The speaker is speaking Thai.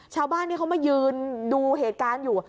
ชาวบ้านที่เขามายืนดูเหตุการณ์อยู่